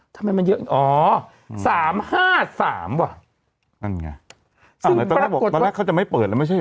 ทำไมมันเยอะอ๋อ๓๕๓ว่ะนั่นไงตอนแรกเขาจะไม่เปิดแล้วไม่ใช่เหรอ